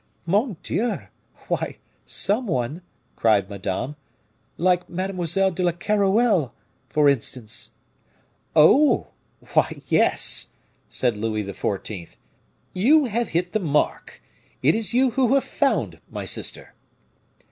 "Mon Dieu! why, some one," cried Madame, "like Mademoiselle de Keroualle, for instance!" "Oh! why, yes!" said Louis XIV.; "you have hit the mark, it is you who have found, my sister."